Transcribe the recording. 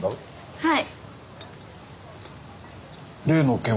はい。